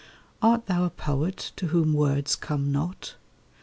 Art thou a poet to whom words come not?